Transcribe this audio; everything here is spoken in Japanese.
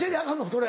それ。